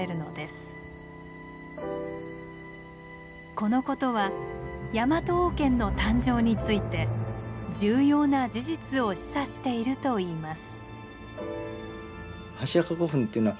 このことはヤマト王権の誕生について重要な事実を示唆しているといいます。